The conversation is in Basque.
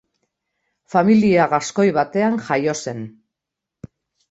Familia gaskoi batean jaio zen.